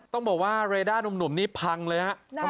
ต้องบอกว่าเรด้านุ่มนี้พังเลยฮะ